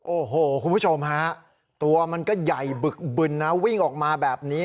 โอ้โหคุณผู้ชมฮะตัวมันก็ใหญ่บึกบึนนะวิ่งออกมาแบบนี้